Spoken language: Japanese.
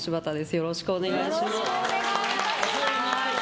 よろしくお願いします。